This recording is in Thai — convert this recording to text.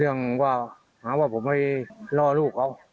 เรื่องว่าหาว่าผมให้ล่อลูกเขา